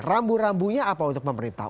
rambu rambunya apa untuk pemerintah